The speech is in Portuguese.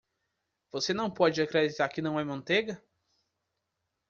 Você não pode acreditar que não é manteiga?